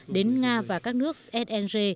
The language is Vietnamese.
đến nga và các nước sng